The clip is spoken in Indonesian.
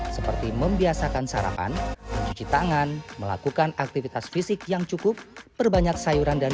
seperti membiasakan sarapan mencuci tangan melakukan aktivitas fisik yang cukup perbanyak sayuran dan